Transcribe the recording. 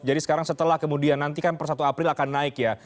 jadi sekarang setelah kemudian nanti kan per satu april akan naik